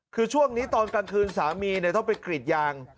คือช่วงนี้ตอนกลางคืนสามีต้องไปกรีดยาง